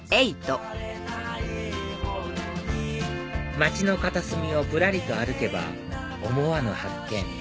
街の片隅をぶらりと歩けば思わぬ発見